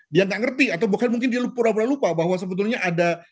dia nggak ngerti atau bahkan mungkin dia pura pura lupa bahwa sebetulnya ada